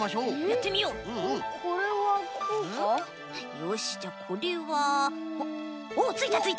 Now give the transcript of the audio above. よしじゃあこれはおついたついた。